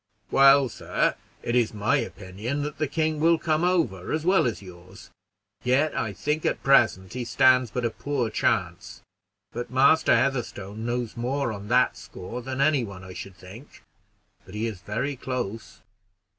"Well, sir, it is my opinion that the king will come over, as well as yours; yet I think at present he stands but a poor chance; but Master Heatherstone knows more on that score than any one, I should think; but he is very close."